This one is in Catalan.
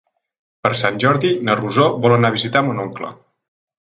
Per Sant Jordi na Rosó vol anar a visitar mon oncle.